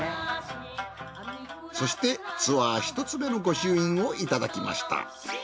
そしてツアー１つめの御朱印をいただきました。